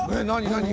何？